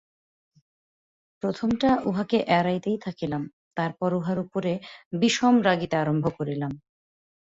প্রথমটা উহাকে এড়াইতে থাকিলাম, তার পর উহার উপরে বিষম রাগিতে আরম্ভ করিলাম।